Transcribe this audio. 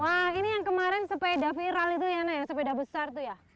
wah ini yang kemarin sepeda viral itu ya sepeda besar itu ya